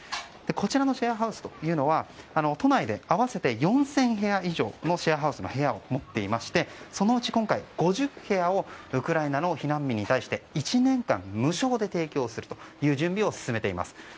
こちらのシェアハウスというのは都内で合わせて４０００部屋以上シェアハウスの部屋を持っていましてそのうち今回５０部屋をウクライナの避難民に対して１年間無償で提供するという準備を進めています。